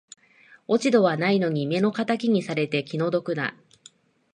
落ち度はないのに目の敵にされて気の毒だ